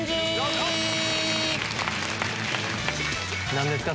何ですか？